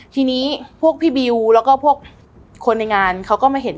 ทีนี้พวกพี่บิวแล้วก็พวกคนในงานเขาก็มาเห็น